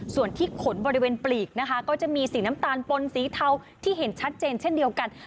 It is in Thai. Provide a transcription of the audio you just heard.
ส่วนที่ขนบริเวณปลีกนะคะก็จะมีสีน้ำตาลปนสีเทาที่เห็นชัดเจนเช่นเดียวกัน